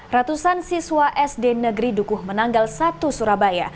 ratusan siswa sd negeri dukuh menanggal satu surabaya